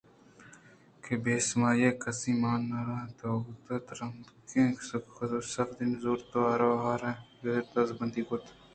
کہ بے سمائی کسّ ءَ مان نیاران ءَ توک ءَ کپان ئے؟ دل ترٛکیّں ککّ ءَ تُرس ءَ وتی نزوریں توار ءَ آر آر ءَ گرٛیت ءُ دزبندی کُت